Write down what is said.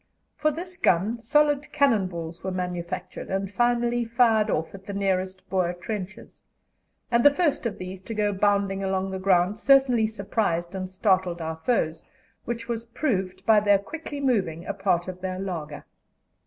For this gun solid cannon balls were manufactured, and finally fired off at the nearest Boer trenches; and the first of these to go bounding along the ground certainly surprised and startled our foes, which was proved by their quickly moving a part of their laager.